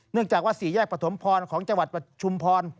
เนื่องจากว่า๔แยกประถมพรของจังหวัดชุมพร